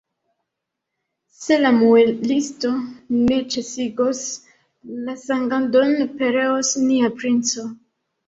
Se la muelisto ne ĉesigos la sangadon, pereos nia princo!